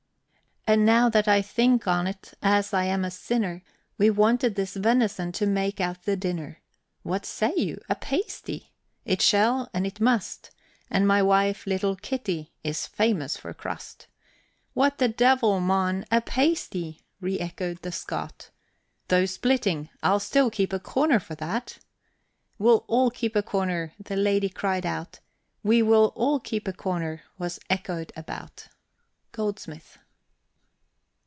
And now that I think on't, as I am a sinner! We wanted this venison to make out the dinner. What say you? a pasty! it shall and it must, And my wife, little Kitty, is famous for crust. "What the de'il, mon, a pasty!" re echoed the Scot. "Though splitting, I'll still keep a corner for that." "We'll all keep a corner," the lady cried out; "We will all keep a corner!" was echoed about. GOLDSMITH.